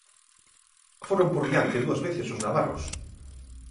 Foron por diante dúas veces os navarros.